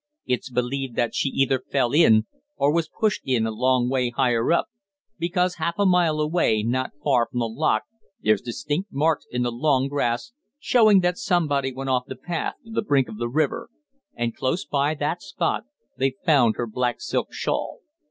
"It's believed that she either fell in or was pushed in a long way higher up, because half a mile away, not far from the lock, there's distinct marks in the long grass, showing that somebody went off the path to the brink of the river. And close by that spot they found her black silk shawl."